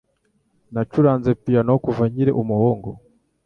Nacuranze piyano kuva nkiri umuhungu.